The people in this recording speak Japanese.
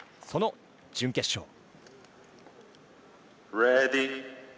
その準決勝。